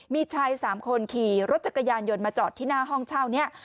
มีชาย๓คนขี่รถจักรยานยนต์มาจอดที่หน้าห้องเช่านี้